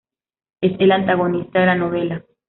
Es el antagonista de la novela.